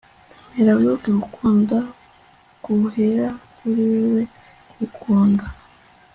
emera wibuke gukunda, guhera kuri wewe kugukunda